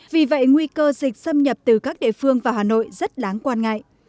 vì vậy nguy cơ dịch xâm nhập từ các địa phương vào hà nội rất đáng quan ngại